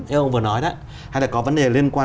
như ông vừa nói đó hay là có vấn đề liên quan